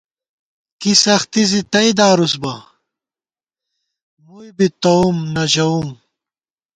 کی سختی زی تئیدارُس بہ مُوئی بی تَوُم نہ ژَوُم